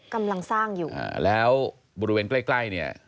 กำลังสร้างอยู่แล้วบริเวณใกล้เนี่ย